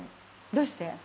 どうして？